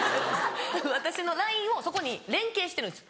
私のＬＩＮＥをそこに連携してるんです。